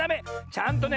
ちゃんとね